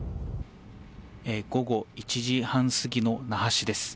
午後１時半過ぎの那覇市です。